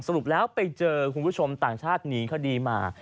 รุปแล้วไปเจอคุณผู้ชมต่างชาติหนีคดีมา